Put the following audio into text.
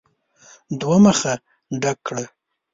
دوه مخه ډک کړه !